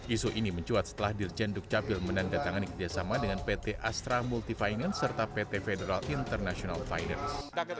isu ini mencuat setelah dirjen dukcapil menandatangani kerjasama dengan pt astra multifinance serta pt federal international fiders